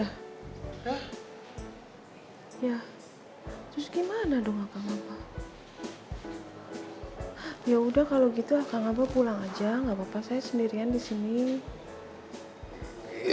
oh ya terus gimana dong ya udah kalau gitu akan apa pulang aja nggak papa saya sendirian disini